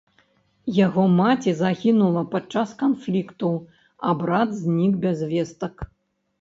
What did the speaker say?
Яго маці загінула падчас канфлікту, а брат знік без вестак.